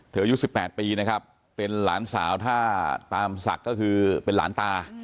เธอยศุภกรณะปีเป็นหลานสาวถ้าตามศักดิ์ก็คือเป็นหลานตา